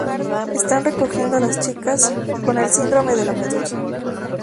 Están recogiendo a las chicas con el "síndrome de la medusa".